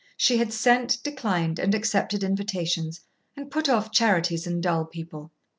She had sent, declined, and accepted invitations, and put off charities and dull people.